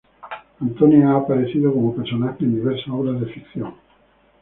Antonia ha aparecido como personaje en diversas obras de ficción.